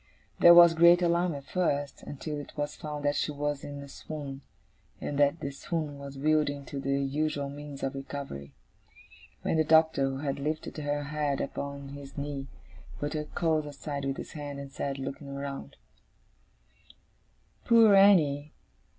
There was great alarm at first, until it was found that she was in a swoon, and that the swoon was yielding to the usual means of recovery; when the Doctor, who had lifted her head upon his knee, put her curls aside with his hand, and said, looking around: 'Poor Annie!